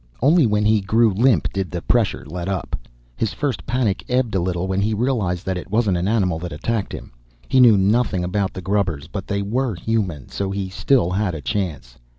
Only when he grew limp did the pressure let up. His first panic ebbed a little when he realized that it wasn't an animal that attacked him. He knew nothing about the grubbers, but they were human so he still had a chance.